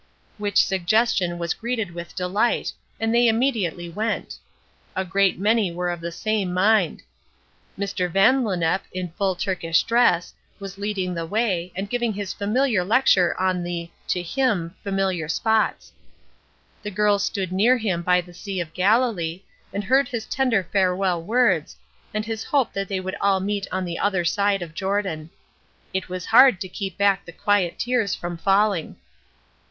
Which suggestion was greeted with delight, and they immediately went. A great many were of the same mind. Mr. Vanlennep in full Turkish dress, was leading the way, and giving his familiar lecture on the to him familiar spots. The girls stood near him by the sea of Galilee, and heard his tender farewell words, and his hope that they would all meet on the other side of Jordon. It was hard to keep back the quiet tears from falling.